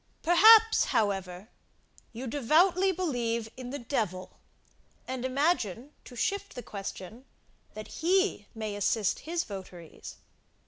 Perhaps, however, you devoutly believe in the devil, and imagine, to shift the question, that he may assist his votaries?